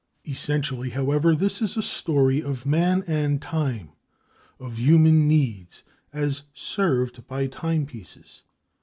Essentially, however, this is a story of Man and Time, of human needs as served by timepieces.